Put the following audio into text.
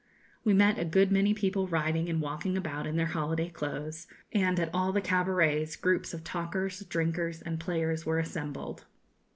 We met a good many people riding and walking about in their holiday clothes, and at all the cabarets groups of talkers, drinkers, and players were assembled.